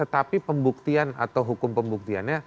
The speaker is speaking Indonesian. tapi hukum pembuktian atau hukum pembuktiannya